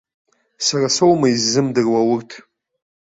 Сара соума иззымдыруа урҭ!